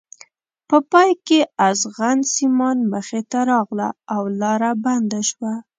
په پای کې ازغن سیمان مخې ته راغله او لاره بنده شوه.